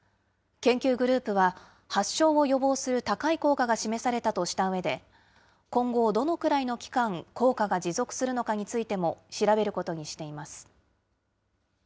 研究グループは、発症を予防する高い効果が示されたとしたうえで、今後、どのくらいの期間、効果が持続するのかについても調べることにしています。